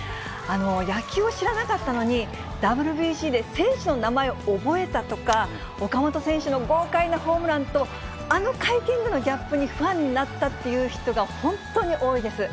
野球を知らなかったのに、ＷＢＣで選手の名前を覚えたとか、岡本選手の豪快なホームランと、あの会見でのギャップにファンになったという人が本当に多いです。